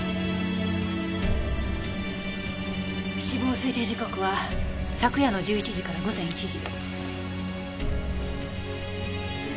死亡推定時刻は昨夜の１１時から午前１時。